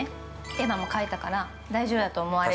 絵馬も書いたから、大丈夫だと思われる。